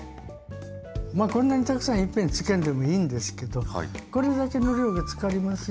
こんなにたくさんいっぺんに漬けんでもいいんですけどこれだけの量が漬かりますよ。